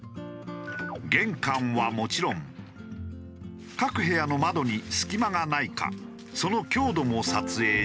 玄関はもちろん各部屋の窓に隙間がないかその強度も撮影し。